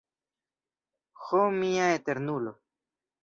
Ho mia Eternulo!